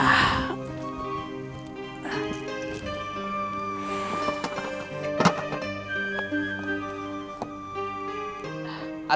nah kita mulai